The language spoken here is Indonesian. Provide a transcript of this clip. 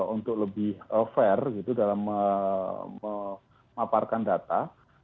untuk lebih fair gitu dalam memaparkan data